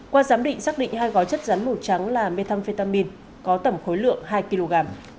qua giám định xác định hai gói chất rắn màu trắng là methamphetamine có tẩm khối lượng hai kg